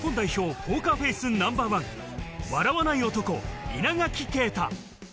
ポーカーフェイスナンバーワン、笑わない男、稲垣啓太。